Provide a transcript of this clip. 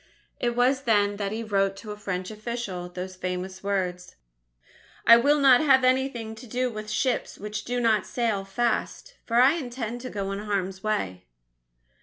It was then that he wrote to a French official, those famous words: "I will not have anything to do with ships which do not sail fast, for I intend to go in harm's way."